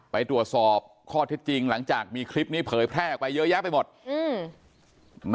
ไปตรวจสอบข้อเท็จจริงหลังจากมีคลิปนี้เผยแพร่ออกไปเยอะแยะไปหมดอืม